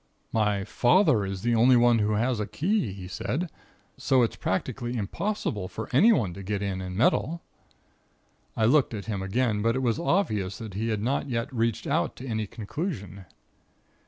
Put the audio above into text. "My father is the only one who has a key," he said. "So it's practically impossible for anyone to get in and meddle." I looked at him again, but it was obvious that he had not yet reached out to any conclusion.